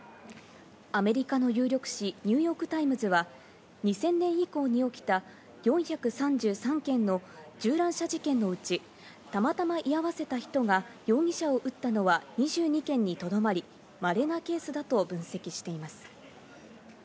アメリカの有力紙ニューヨーク・タイムズは、２０００年以降に起きた４３３件の銃乱射事件のうち、たまたま居合わせた人が容疑者を撃ったのは２２件にとどまり、稀なケースだと分析しています。